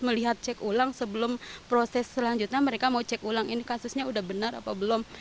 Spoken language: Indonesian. melihat cek ulang sebelum proses selanjutnya mereka mau cek ulang ini kasusnya udah benar apa belum